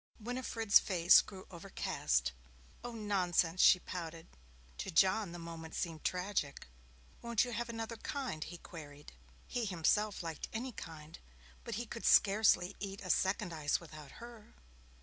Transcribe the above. Winifred's face grew overcast. 'Oh, nonsense!' she pouted. To John the moment seemed tragic. 'Won't you have another kind?' he queried. He himself liked any kind, but he could scarcely eat a second ice without her.